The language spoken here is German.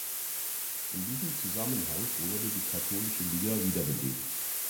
In diesem Zusammenhang wurde die Katholische Liga wiederbelebt.